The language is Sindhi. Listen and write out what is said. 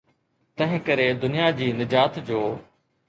تنهنڪري دنيا جي نجات جو.